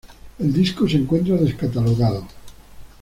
El disco se encuentra descatalogado.